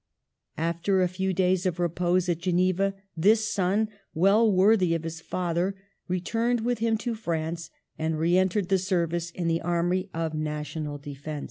After a few days of repose at Geneva, this son, well worthy of his father, returned with him to France and re entered the service in the Army of National Defense.